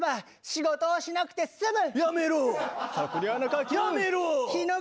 仕事はしなくて済む！